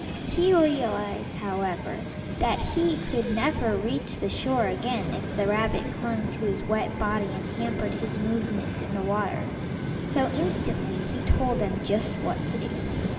He realized, however, that he could never reach the shore again if the rabbits clung to his wet body and hampered his movements in the water, so instantly he told them just what to do.